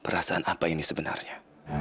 perasaan apa ini sebenarnya